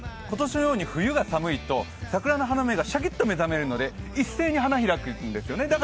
今年のように冬が寒いと桜の花芽がシャキッと目覚めるので一斉に花開くんですね、